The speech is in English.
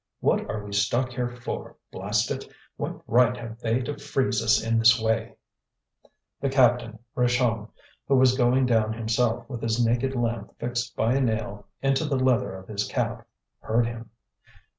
"What are we stuck here for, blast it? What right have they to freeze us in this way?" The captain, Richomme, who was going down himself, with his naked lamp fixed by a nail into the leather of his cap, heard him.